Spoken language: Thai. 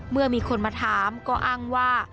เมื่อมีคนมาถามก็อ้างว่า